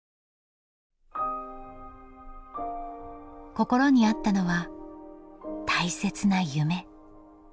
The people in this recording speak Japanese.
心にあったのは大切な夢。